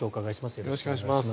よろしくお願いします。